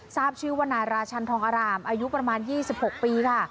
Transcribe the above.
ทราบชื่อวนาราชันทองอร่ามอายุประมาณยี่สิบหกปีค่ะ